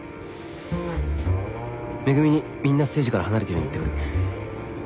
恵美にみんなステージから離れてるように言ってくる。